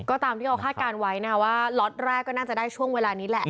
ก็ตามที่เขาคาดการณ์ไว้นะคะว่าล็อตแรกก็น่าจะได้ช่วงเวลานี้แหละ